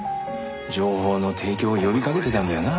情報の提供を呼びかけてたんだよな。